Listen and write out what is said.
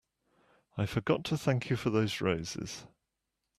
I forgot to thank you for those roses.